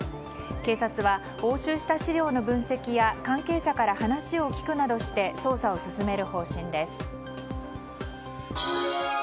警察は押収した資料の分析や関係者から話を聞くなどして捜査を進める方針です。